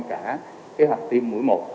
cả kế hoạch tiêm mũi một